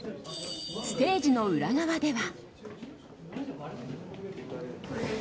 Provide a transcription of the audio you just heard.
ステージの裏側では。